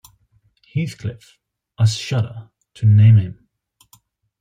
Heathcliff — I shudder to name him!